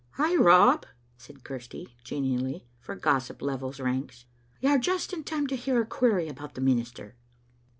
"Ay, Rob," said Chirsty, genially, for gossip levels ranks, " you're just in time to hear a query about the minister.